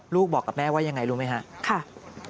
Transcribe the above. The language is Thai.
ลูกบอกกับแม่ว่ายังไงรู้ไหมครับ